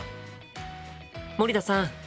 森田さん